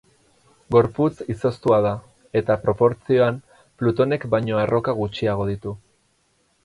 Gorputz izoztua da, eta, proportzioan, Plutonek baino arroka gutxiago ditu.